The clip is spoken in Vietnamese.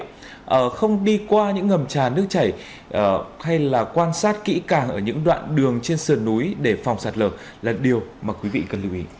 không đi qua những ngầm trà nước chảy hay là quan sát kỹ càng ở những đoạn đường trên sườn núi để phòng sạt lở là điều mà quý vị cần lưu ý